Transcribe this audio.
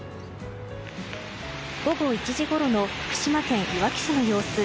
午後１時ごろの福島県いわき市の様子。